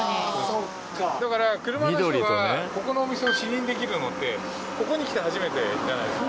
だから車の人がここのお店を視認できるのってここに来て初めてじゃないですか。